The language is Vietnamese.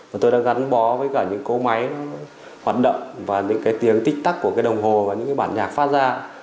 và tôi đã gắn bó với cả những cố máy hoạt động và những tiếng tích tắc của đồng hồ và những bản nhạc phát ra